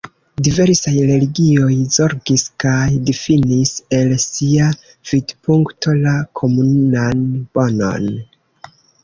Diversaj religioj zorgis kaj difinis, el sia vidpunkto, la komunan bonon.